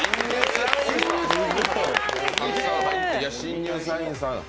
新入社員さん